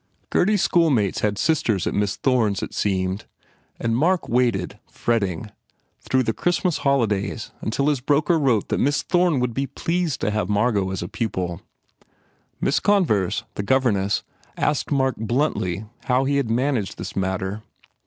Gurdy s schoolmates had sisters at Miss Thome s , it seemed, and Mark waited, fretting, through the Christmas holidays until his broker wrote that Miss Thome would be pleased to have Margot as a pupil. Miss Converse, the gover ness, asked Mark bluntly how he had managed this matter.